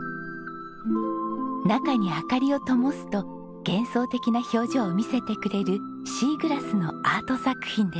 中に明かりをともすと幻想的な表情を見せてくれるシーグラスのアート作品です。